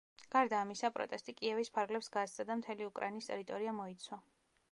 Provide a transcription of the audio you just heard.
გარდა ამისა, პროტესტი კიევის ფარგლებს გასცდა და მთელი უკრაინის ტერიტორია მოიცვა.